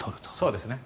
そうですね。